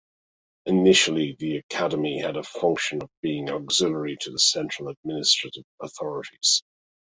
Initially the Academy had a function of being auxiliary to the central administrative authorities.